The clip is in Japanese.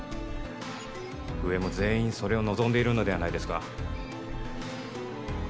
上も全員それを望んでいるのではないですか？